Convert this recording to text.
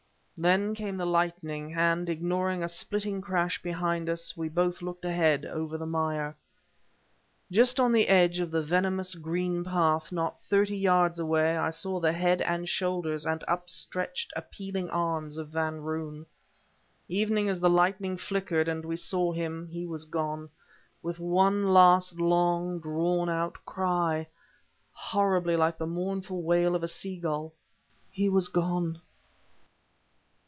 Then came the lightning; and ignoring a splitting crash behind us we both looked ahead, over the mire. Just on the edge of the venomous green path, not thirty yards away, I saw the head and shoulders and upstretched, appealing arms of Van Roon. Even as the lightning flickered and we saw him, he was gone; with one last, long, drawn out cry, horribly like the mournful wail of a sea gull, he was gone!